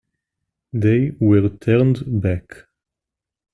They were turned back.